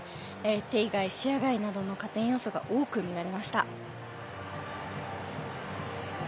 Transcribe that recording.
手以外、視野外などの加点要素が多く見られました。